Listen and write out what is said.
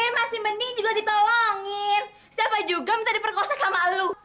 yang masih mending juga ditolongin siapa juga minta diperkosa sama lu